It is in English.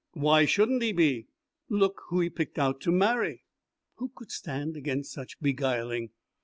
"Why shouldn't he be? Look who he picked out to marry." Who could stand against such beguiling?